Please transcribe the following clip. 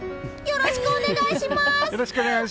よろしくお願いします！